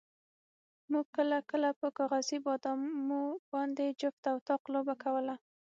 موږ کله کله په کاغذي بادامو باندې جفت او طاق لوبه کوله.